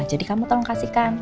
jadi kamu tolong kasihkan